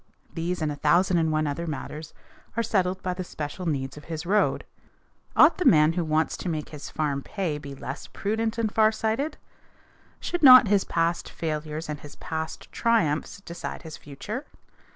These and a thousand and one other matters are settled by the special needs of his road. Ought the man who wants to make his farm pay be less prudent and less far sighted? Should not his past failures and his past triumphs decide his future?